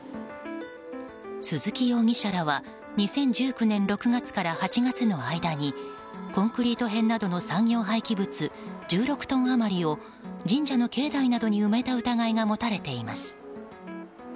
鈴木容疑者らは２０１９年６月から８月の間にコンクリート片などの産業廃棄物１６トン余りを神社の境内などに埋めた疑いが持たれています。